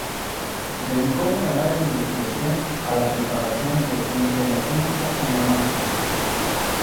Dedicó una larga investigación a la preparación de "Entre la ciencia y la magia.